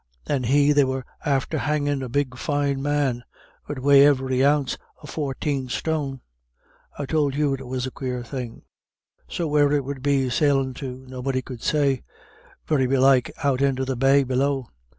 And he they were after hangin' a fine big man, 'ud weigh every ounce of fourteen stone. I tould you it was a quare thing. So where it would be sailin' to nobody could say; very belike out into the bay below.